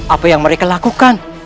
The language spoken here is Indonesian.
apa yang mereka lakukan